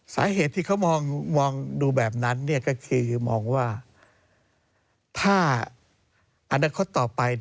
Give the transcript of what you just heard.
สาเหตุที่เขามองดูแบบนั้นก็คือมองว่าถ้าอนาคตต่อไป